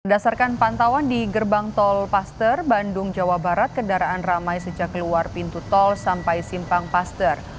berdasarkan pantauan di gerbang tol paster bandung jawa barat kendaraan ramai sejak keluar pintu tol sampai simpang paster